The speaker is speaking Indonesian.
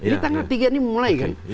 ini tanggal tiga ini mulai kan